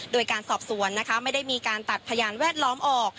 โดยการสอบสวนนะคะไม่ได้มีการตัดพยานแวดล้อมออก